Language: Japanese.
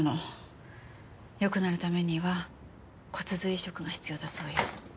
よくなるためには骨髄移植が必要だそうよ。